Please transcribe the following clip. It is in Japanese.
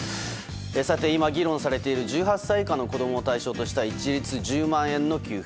今議論されている１８歳以下の子供を対象とした一律１０万円の給付。